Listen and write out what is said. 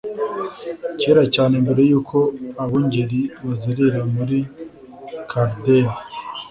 Kera cyane mbere yuko abungeri bazerera muri Chaldeya